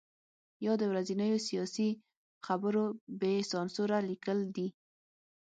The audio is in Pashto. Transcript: یا د ورځنیو سیاسي خبرو بې سانسوره لیکل دي.